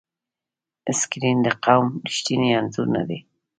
سکرین د قوم ریښتینی انځور نه دی.